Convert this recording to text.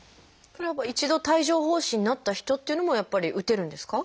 これはやっぱ一度帯状疱疹になった人っていうのもやっぱり打てるんですか？